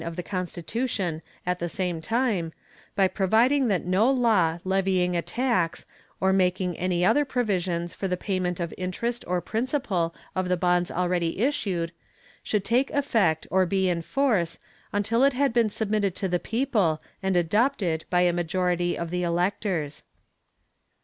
of the constitution at the same time, by providing that no law levying a tax, or making any other provisions for the payment of interest or principal of the bonds already issued, should take effect or be in force until it had been submitted to the people, and adopted by a majority of the electors.